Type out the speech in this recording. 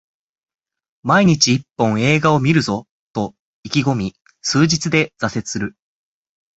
毎日一本、映画を観るぞと意気込み数日で挫折する